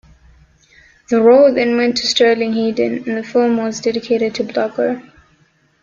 The role then went to Sterling Hayden, and the film was dedicated to Blocker.